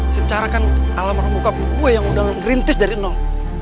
secara kan alam rumah bokap gue yang undang undang green tea dari nol